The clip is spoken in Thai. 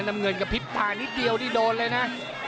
น้ำเงินกระพริบตานิดเดียวนี่โดนเลยนะ